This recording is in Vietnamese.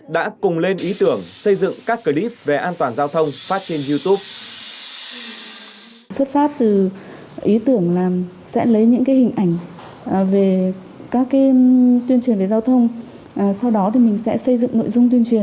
đã cùng lên ý tưởng xây dựng các clip về an toàn giao thông phát trên youtube